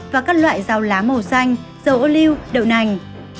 và các loại rau lá màu xanh dầu ô lưu đậu nành